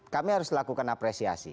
kami harus lakukan apresiasi